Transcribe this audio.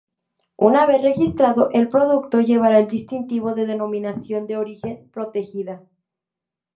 Una vez registrado, el producto llevará el distintivo de Denominación de Origen Protegida.